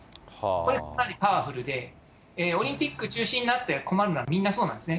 これはかなりパワフルで、オリンピック中止になって困るのは、みんなそうなんですね。